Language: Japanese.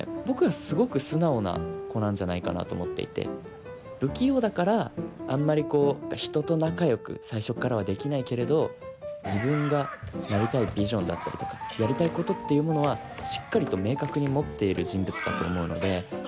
僕はすごく素直な子なんじゃないかなと思っていて不器用だからあんまりこう人と仲よく最初っからはできないけれど自分がなりたいビジョンだったりとかやりたいことっていうものはしっかりと明確に持っている人物だと思うので。